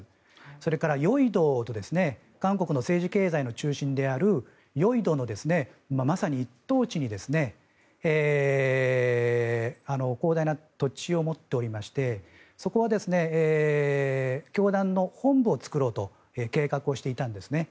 それから汝矣島という韓国の政治経済の中心である汝矣島の、まさに一等地に広大な土地を持っておりましてそこは教団の本部を作ろうと計画をしていたんですね。